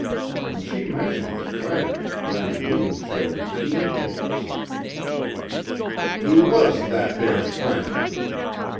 When she mentioned the friend, Rangoon showed keen interest. "Who was that there friend?"